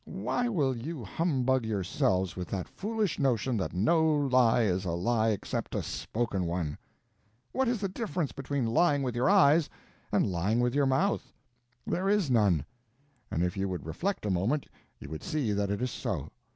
Why will you humbug yourselves with that foolish notion that no lie is a lie except a spoken one? What is the difference between lying with your eyes and lying with your mouth? There is none; and if you would reflect a moment you would see that it is so.